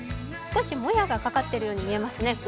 少しもやがかかっているように見えますね